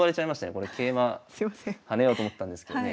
これ桂馬跳ねようと思ったんですけどね。